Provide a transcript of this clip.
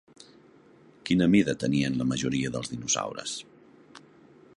Quina mida tenien la majoria dels dinosaures?